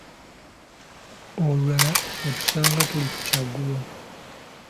Olulala yatusanga tuli ku kyaggulo.